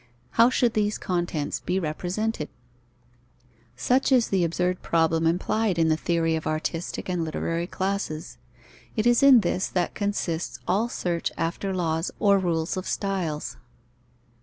How should these contents be represented? Such is the absurd problem implied in the theory of artistic and literary classes. It is in this that consists all search after laws or rules of styles.